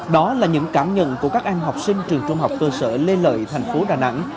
đó là những cảm nhận của các em học sinh trường trung học cơ sở lê lợi thành phố đà nẵng